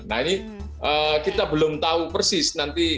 nah ini kita belum tahu persis nanti